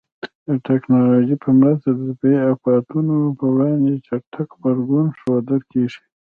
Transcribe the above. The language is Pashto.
د ټکنالوژۍ په مرسته د طبیعي آفاتونو پر وړاندې چټک غبرګون ښودل کېږي.